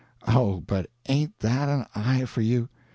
Oh, but ain't that an eye for you!